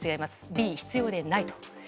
Ｂ、必要でないと。